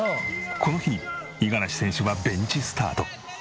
この日五十嵐選手はベンチスタート。